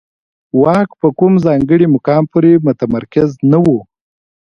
واک په کوم ځانګړي مقام پورې متمرکز نه و.